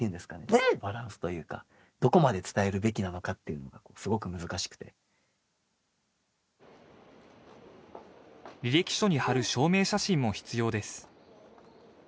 うんっバランスというかどこまで伝えるべきなのかっていうのがすごく難しくて履歴書に貼る証明写真も必要です